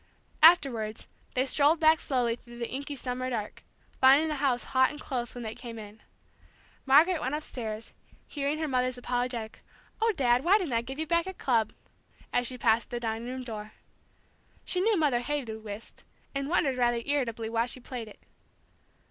Afterwards, they strolled back slowly through the inky summer dark, finding the house hot and close when they came in. Margaret went upstairs, hearing her mother's apologetic, "Oh, Dad, why didn't I give you back your club?" as she passed the dining room door. She knew Mother hated whist, and wondered rather irritably why she played it.